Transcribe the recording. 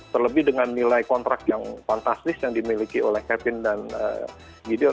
terlebih dengan nilai kontrak yang fantastis yang dimiliki oleh kevin dan gideon